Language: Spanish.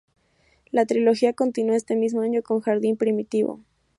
La trilogía continúa este mismo año con "Jardín primitivo".